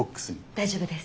大丈夫です。